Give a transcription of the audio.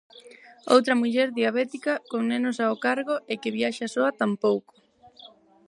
Outra muller "diabética", con nenos ao cargo e que viaxa soa, tampouco.